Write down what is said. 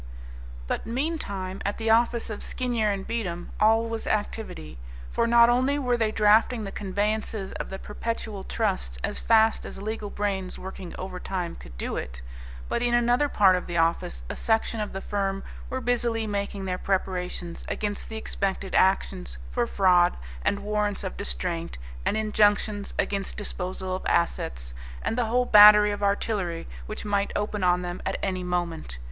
But, meantime, at the office of Skinyer and Beatem all was activity. For not only were they drafting the conveyances of the perpetual trusts as fast as legal brains working overtime could do it, but in another part of the office a section of the firm were busily making their preparations against the expected actions for fraud and warrants of distraint and injunctions against disposal of assets and the whole battery of artillery which might open on them at any moment.